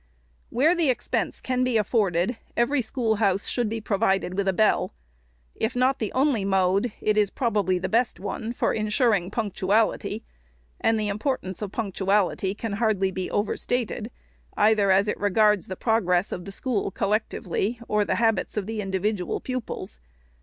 Where the expense can be afforded, every schoolhouse should be provided with a bell. If not the only mode, it is probably the best one for insuring punctuality ; and the importance of punctuality can hardly be overstated, ON SCHOOLHOUSES. 487 either as it regards the progress of the school collectively, or the habits of the individual pupils.